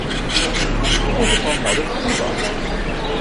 Die Koseform lautet "Kuba".